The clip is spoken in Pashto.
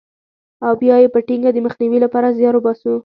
او بیا یې په ټینګه د مخنیوي لپاره زیار وباسو.